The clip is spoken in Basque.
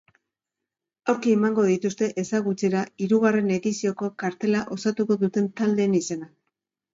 Aurki emango dituzte ezagutzera hirugarren edizioko kartela osatuko duten taldeen izenak.